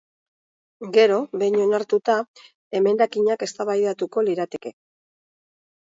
Gero, behin onartuta, emendakinak eztabaidatuko lirateke.